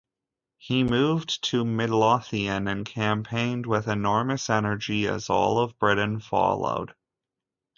He moved to Midlothian and campaigned with enormous energy as all of Britain followed.